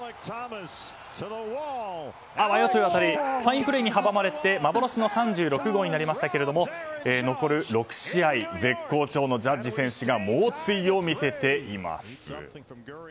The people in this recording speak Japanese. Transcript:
ファインプレーに阻まれて幻の３６号になりましたが残る６試合絶好調のジャッジ選手が猛追を見せています。